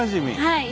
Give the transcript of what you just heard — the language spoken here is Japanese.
はい。